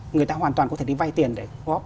người ta hoàn toàn có thể đi vay tiền để góp